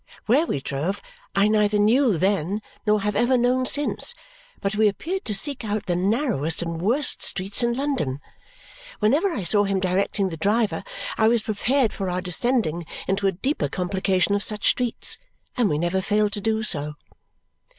Where we drove I neither knew then nor have ever known since, but we appeared to seek out the narrowest and worst streets in London. Whenever I saw him directing the driver, I was prepared for our descending into a deeper complication of such streets, and we never failed to do so.